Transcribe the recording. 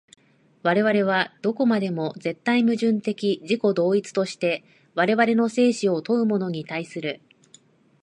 我々はどこまでも絶対矛盾的自己同一として我々の生死を問うものに対する。